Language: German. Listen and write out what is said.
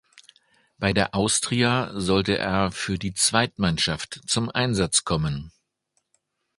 Bei der Austria sollte er für die Zweitmannschaft zum Einsatz kommen.